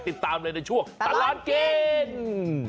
ติดตามเลยในช่วงตลอดกิน